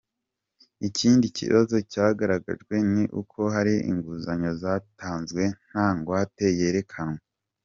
Ikindi kibazo cyagaragajwe ni uko hari inguzanyo zatanzwe nta ngwate yerekanywe.